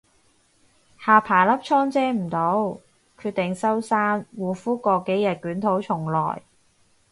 下巴粒瘡遮唔到，決定收山護膚過幾日捲土重來